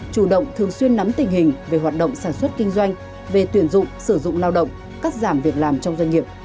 chủ động thường xuyên nắm tình hình về hoạt động sản xuất kinh doanh về tuyển dụng sử dụng lao động cắt giảm việc làm trong doanh nghiệp